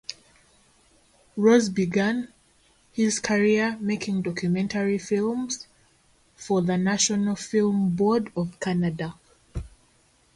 Rose began his career making documentary films for the National Film Board of Canada.